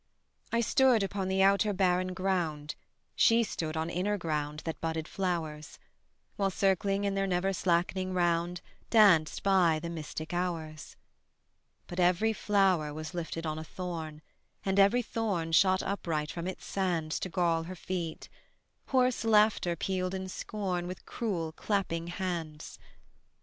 I stood upon the outer barren ground, She stood on inner ground that budded flowers; While circling in their never slackening round Danced by the mystic hours. But every flower was lifted on a thorn, And every thorn shot upright from its sands To gall her feet; hoarse laughter pealed in scorn With cruel clapping hands.